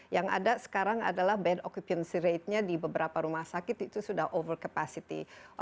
yang ada sekarang adalah bad occupancy ratenya di beberapa rumah sakit itu sudah over capacity